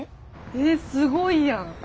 えすごいやん。